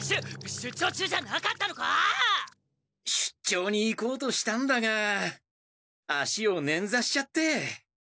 出張に行こうとしたんだが足をネンザしちゃって。